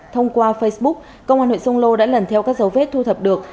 thông qua facebook công an huyện sông lô đã lần theo các dấu vết thu thập được